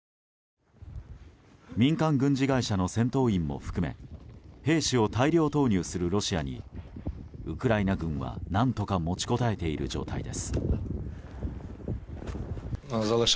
民間軍事会社の戦闘員も含め兵士を大量投入するロシアにウクライナ軍は、何とか持ちこたえている状態です。